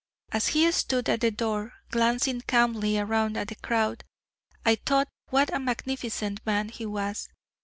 As he stood at the door glancing calmly around at the crowd, I thought what a magnificent man he was.